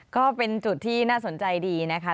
ก็เป็นจุดที่น่าสนใจดีนะคะ